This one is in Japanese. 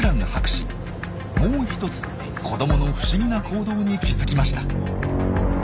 もう一つ子どもの不思議な行動に気付きました。